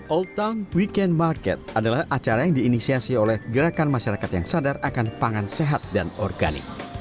old town weekend market adalah acara yang diinisiasi oleh gerakan masyarakat yang sadar akan pangan sehat dan organik